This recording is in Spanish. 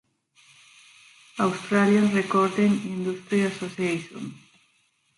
Australian Recording Industry Association.